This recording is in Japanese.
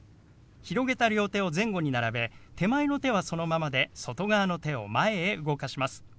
広げた両手を前後に並べ手前の手はそのままで外側の手を前へ動かします。